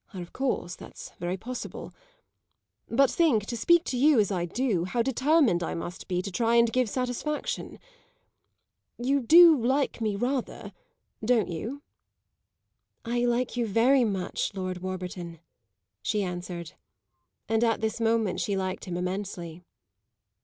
Ah, of course that's very possible. But think, to speak to you as I do, how determined I must be to try and give satisfaction! You do like me rather, don't you?" "I like you very much, Lord Warburton," she answered; and at this moment she liked him immensely.